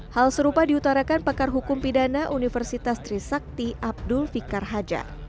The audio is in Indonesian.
hal serupa diutarakan pakar hukum pidana universitas trisakti abdul fikar hajar